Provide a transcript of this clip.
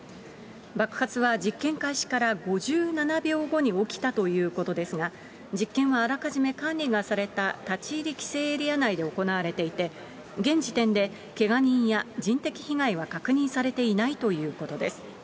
爆発は実験開始から５７秒後に起きたということですが、実験はあらかじめ管理がされた立ち入り規制エリア内で行われていて、現時点でけが人や人的被害は確認されていないということです。